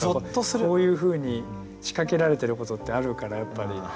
こういうふうに仕掛けられてることってあるからやっぱり。